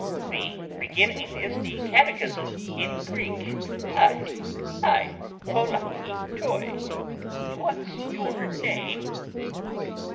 The beginning is the catechism in Greek. Ay, ay, Pollaki toi: What's your name?"